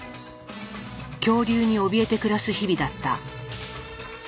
恐竜におびえて暮らす日々だった。